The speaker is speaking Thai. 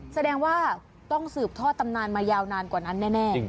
แสดงว่าต้องสืบทอดตำนานมายาวนานกว่านั้นแน่